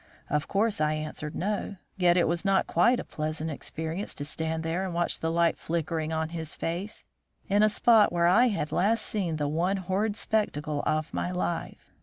Of course I answered no, yet it was not quite a pleasant experience to stand there and watch the light flickering on his face, in a spot where I had last seen the one horrid spectacle of my life.